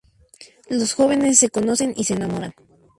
Los jóvenes se conocen y se enamoran.